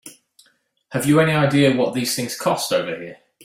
Have you any idea what these things cost over here?